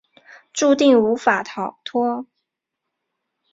注定无法跳脱